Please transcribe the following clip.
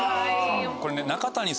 これね。